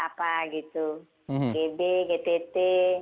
apa gitu gb gtt